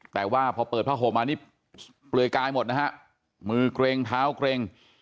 แต่ว่าพอเปิดผ้าห่มมานี่เปลือยกายหมดนะฮะมือเกร็งเท้าเกร็ง